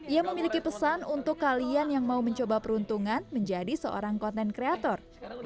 ia memiliki pesan untuk kalian yang mau mencoba peruntungan menjadi seorang konten kreator